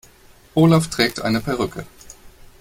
Olaf trägt eine Perücke.